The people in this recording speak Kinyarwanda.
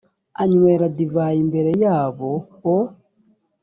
anywera divayi imbere yabo o